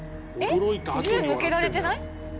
銃向けられてない？